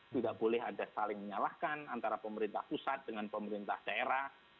tidak boleh ada saling menyalahkan antara pemerintah pusat dengan pemerintah daerah